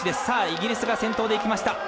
イギリスが先頭でいきました。